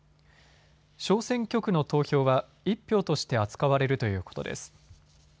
小選挙区の投票は１票として扱われるということです。